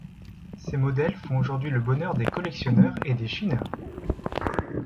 Ces modèles font aujourd’hui le bonheur des collectionneurs et des chineurs.